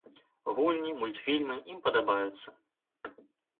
Гульні, мультфільмы ім падабаюцца.